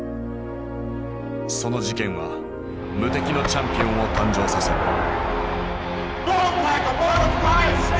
その事件は無敵のチャンピオンを誕生させる。